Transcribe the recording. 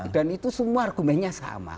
dan itu semua argumennya sama